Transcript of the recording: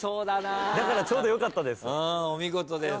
だからちょうどよかったです。